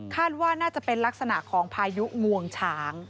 ว่าน่าจะเป็นลักษณะของพายุงวงช้าง